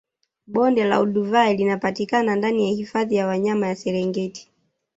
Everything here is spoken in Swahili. Bonde la Olduvai linapatikana ndani ya hifadhi ya wanyama ya Serengeti